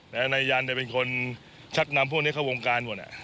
นายยันเป็นคนชักนำพวกนี้เข้าวงการหมด